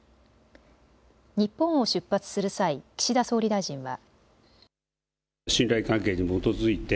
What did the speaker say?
日本を出発する際、岸田総理大臣は。